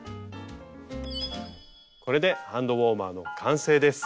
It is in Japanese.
これでハンドウォーマーの完成です！